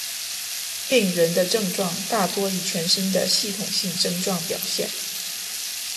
病人的症状大多以全身的系统性症状表现。